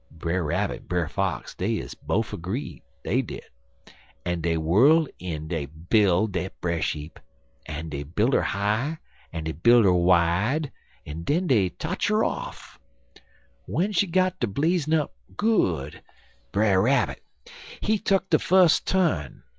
Brer Rabbit en Brer Fox dey is bofe 'gree, dey did, en dey whirl in en b'il' de breshheap, en dey b'il' her high en dey b'il' her wide, en den dey totch her off. W'en she got ter blazin' up good, Brer Rabbit, he tuck de fus turn.